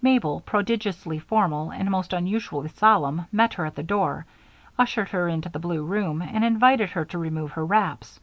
Mabel, prodigiously formal and most unusually solemn, met her at the door, ushered her into the blue room, and invited her to remove her wraps.